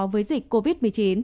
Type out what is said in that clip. với dịch covid một mươi chín